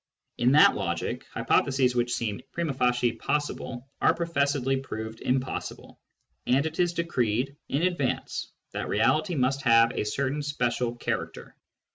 In that logic, hypotheses which seem primd facie possible are professedly proved impossible, and it is decreed in advance that reality must have a certain special character.